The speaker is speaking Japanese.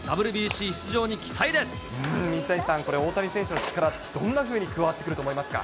水谷さん、これ、大谷選手の力、どんなふうに加わってくると思いますか？